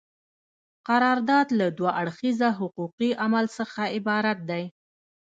قرارداد له دوه اړخیزه حقوقي عمل څخه عبارت دی.